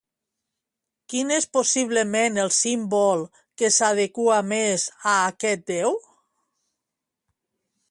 Quin és possiblement el símbol que s'adequa més a aquest déu?